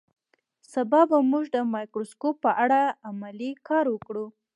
سبا به موږ د مایکروسکوپ په اړه عملي کار وکړو